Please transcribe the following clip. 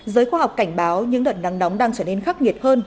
giới khoa học cảnh báo những đợt nắng nóng đang trở nên khắc nghiệt hơn